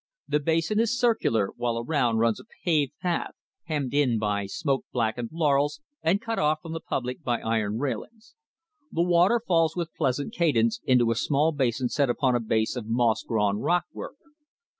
The basin is circular, while around runs a paved path, hemmed in by smoke blackened laurels and cut off from the public way by iron railings. The water falls with pleasant cadence into a small basin set upon a base of moss grown rockwork.